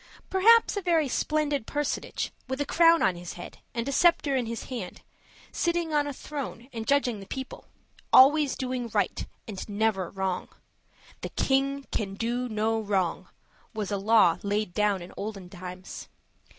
Perhaps a very splendid personage, with a crown on his head and a scepter in his hand, sitting on a throne and judging the people. Always doing right, and never wrong "The king can do no wrong" was a law laid down in olden times.